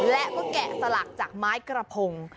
และก็แกะสลักจากไม้กระพง